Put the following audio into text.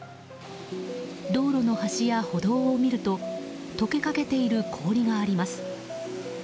道路の端や歩道を見ると解けかけている氷があります。